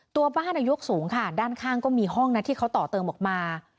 ตัวบ้านอายุสูงค่ะด้านข้างก็มีห้องนะที่เขาต่อเติมออกมา